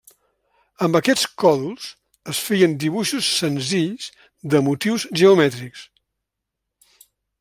Amb aquests còdols es feien dibuixos senzills de motius geomètrics.